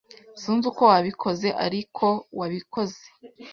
Sinzi uko wabikoze, ariko wabikoze.